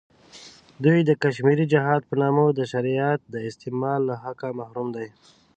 دوی د کشمیري جهاد په نامه د شریعت د استعمال له حقه محروم دی.